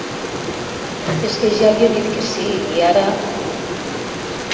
És que ja li he dit que sí, i ara...